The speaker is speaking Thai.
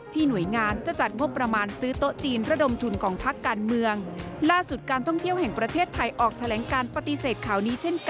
ที่หน่วยงานจะจัดมวบประมาณ